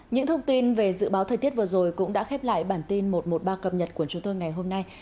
những thông tin về dự báo thời tiết vừa rồi cũng đã khép lại bản tin một trăm một mươi ba cập nhật của chúng tôi ngày hôm nay